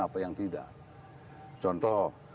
apa yang tidak contoh